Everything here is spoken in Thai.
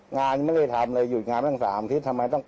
งานไม่ได้ทำเลยหยุดงานตั้ง๓ทิศทำไมต้อง๘๓๐๐๐